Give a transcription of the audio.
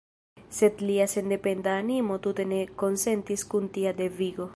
Sed lia sendependa animo tute ne konsentis kun tia devigo.